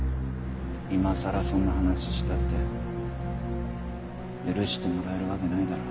今さらそんな話したって許してもらえるわけないだろ。